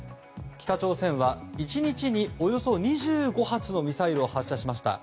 北朝鮮は１日に、およそ２５発のミサイルを発射しました。